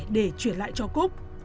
để chuyển lại cho cúc